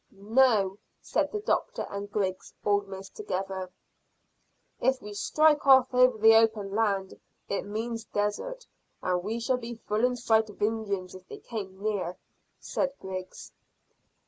"No," said the doctor and Griggs, almost together. "If we strike off over the open land it means desert, and we shall be full in sight of Indians if they came near," said Griggs.